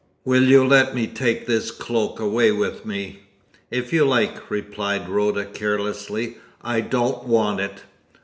"Will you let me take this cloak away with me?" "If you like," replied Rhoda carelessly. "I don't want it.'